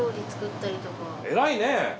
偉いね！